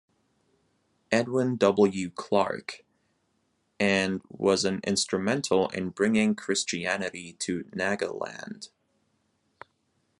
Edwin W. Clark and was instrumental in bringing Christianity to Nagaland.